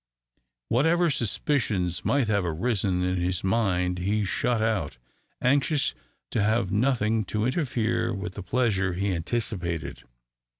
Whatever suspicions might have arisen in his mind he shut out, anxious to have nothing to interfere with the pleasure he anticipated.